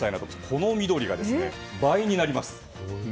この緑が倍になります。